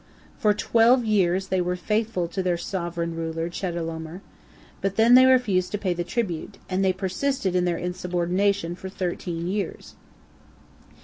For twelve years they were faithful to their sovereign ruler Chedorlaomer, but then they refused to pay the tribute, and they persisted in their insubordination for thirteen years.